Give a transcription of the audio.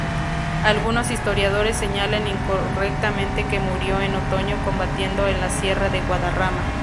Algunos historiadores señalan incorrectamente que murió en otoño combatiendo en la sierra de Guadarrama.